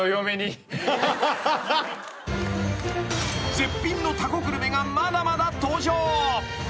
［絶品のタコグルメがまだまだ登場］